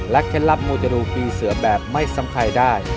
เคล็ดลับมูจรูปีเสือแบบไม่ซ้ำใครได้